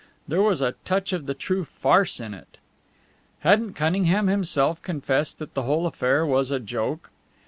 There was a touch of the true farce in it. Hadn't Cunningham himself confessed that the whole affair was a joke?